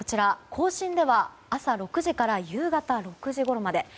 甲信では朝６時から夕方６時ごろまで。